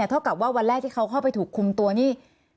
เท่ากับว่าวันแรกที่เขาเข้าไปถูกคุมตัวนี่